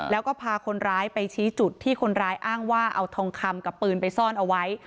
แล้วก็พาคนร้ายไปชี้จุดที่คนร้ายอ้างว่าเอาทองคำกับปืนไปซ่อนเอาไว้